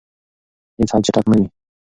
هیڅ حل چټک نه وي.